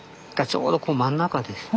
ちょうどここ真ん中です。